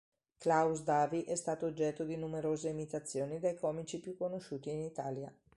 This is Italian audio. Klaus Davi è stato oggetto di numerose imitazioni dai comici più conosciuti in Italia.